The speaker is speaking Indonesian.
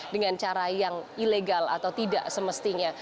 dengan cara yang ilegal atau tidak semestinya